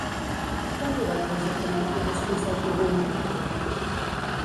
Quant dura el trajecte en autobús fins al Cogul?